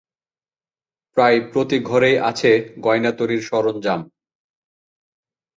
প্রায় প্রতি ঘরেই আছে গয়না তৈরির সরঞ্জাম।